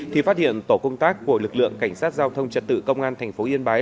thì phát hiện tổ công tác của lực lượng cảnh sát giao thông trật tự công an thành phố yên bái